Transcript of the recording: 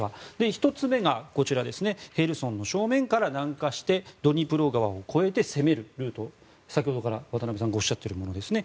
１つ目がこちらヘルソンの正面から南下してドニプロ川を越えて攻めるルート先ほどから渡部さんがおっしゃっているものですね。